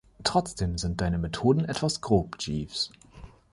Trotzdem sind deine Methoden etwas grob, Jeeves.